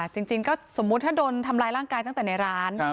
จริงก็สมมุติถ้าโดนทำร้ายร่างกายตั้งแต่ในร้าน